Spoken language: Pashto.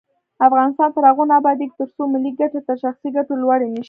افغانستان تر هغو نه ابادیږي، ترڅو ملي ګټې تر شخصي ګټو لوړې نشي.